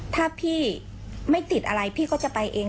ถ้าพี่ไม่ติดอะไรพี่ก็จะไปเอง